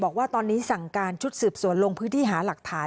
บอกว่าตอนนี้สั่งการชุดสืบสวนลงพื้นที่หาหลักฐาน